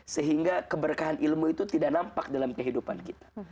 sehingga keberkahan ilmu itu tidak nampak dalam kehidupan kita